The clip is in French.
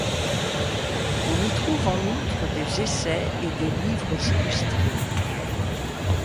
On y trouve en outre des essais et des livres illustrés.